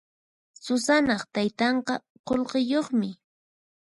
Susanaq taytanqa qullqiyuqmi.